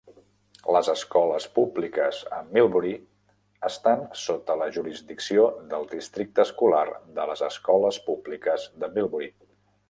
Les escoles públiques a Millbury estan sota la jurisdicció del districte escolar de les escoles públiques de Millbury